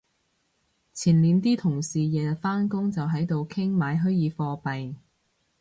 前年啲同事日日返工就喺度傾買虛擬貨幣